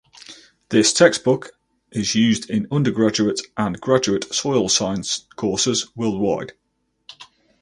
This textbook is used in undergraduate and graduate soil science courses worldwide.